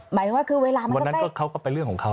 หมายถึงว่าคือเวลามันวันนั้นเขาก็เป็นเรื่องของเขา